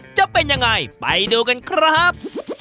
จะเป็นยังไงไปดูกันครับ